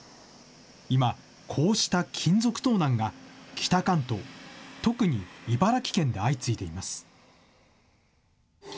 今、こうした金属盗難が北関東、特に茨城県で相次いでいます。